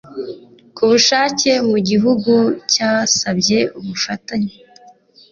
kubushake mu gihugu cyasabye ubufatanye